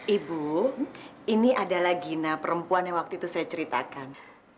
ibu ini adalah gina perempuan yang waktu itu saya ceritakan